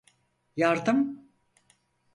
Yardım!